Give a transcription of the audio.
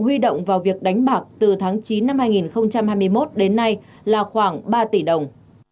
huy động vào việc đánh bạc từ tháng chín năm hai nghìn hai mươi một đến nay là khoảng ba tỷ đồng